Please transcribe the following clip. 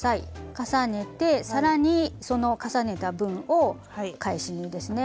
重ねて更にその重ねた分を返し縫いですね。